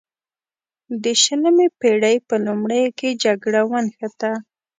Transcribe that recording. د شلمې پیړۍ په لومړیو کې جګړه ونښته.